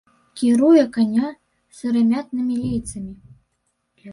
Кіруе каня сырамятнымі лейцамі.